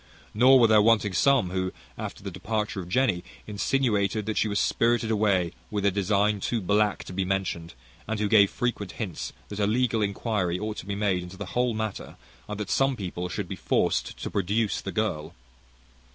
Nor were there wanting some, who, after the departure of Jenny, insinuated that she was spirited away with a design too black to be mentioned, and who gave frequent hints that a legal inquiry ought to be made into the whole matter, and that some people should be forced to produce the girl.